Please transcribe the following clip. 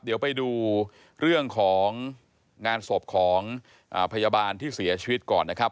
เดี๋ยวไปดูเรื่องของงานศพของพยาบาลที่เสียชีวิตก่อนนะครับ